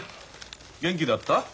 元気だった？